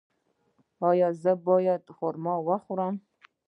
ایا زه باید خرما وخورم؟